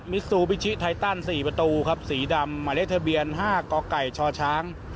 ซูบิชิไทตัน๔ประตูครับสีดำหมายเลขทะเบียน๕กไก่ชช้าง